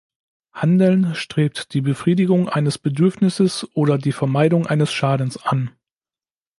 Handeln strebt die Befriedigung eines Bedürfnisses oder die Vermeidung eines Schadens an.